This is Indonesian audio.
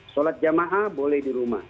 sholat jamaah boleh di rumah